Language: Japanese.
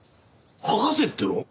剥がせっての？